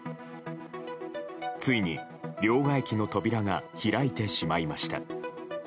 ついに、両替機の扉が開いてしまいました。